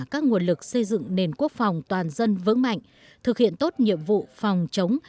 các nguồn lực xây dựng nền quốc phòng toàn dân vững mạnh thực hiện tốt nhiệm vụ phòng chống